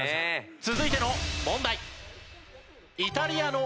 続いての問題。